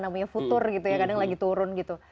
namanya futur gitu ya kadang lagi turun gitu